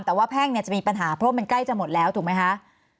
แต่ว่าแพ่งเนี่ยจะมีปัญหาเพราะมันใกล้จะหมดแล้วถูกไหมคะ